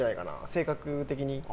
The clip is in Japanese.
性格的に。